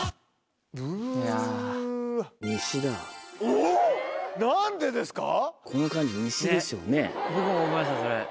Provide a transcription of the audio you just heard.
おぉ⁉何でですか？